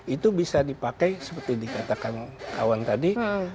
itu bisa dipakai seperti dikatakan kawan tadi